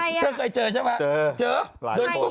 ลุกลีลุกลนนึงจะรีบไปทุกอย่าง